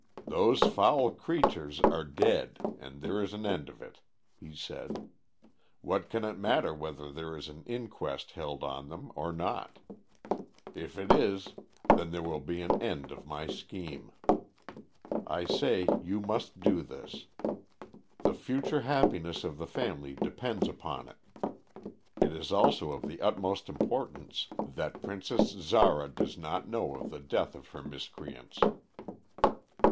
"Those foul creatures are dead, and there is an end of it," he said. "What can it matter whether there is an inquest held on them or not? If it is, then there will be an end of my scheme. I say you must do this. The future happiness of the family depends upon it. It is also of the utmost importance that Princess Zara does not know of the death of her miscreants."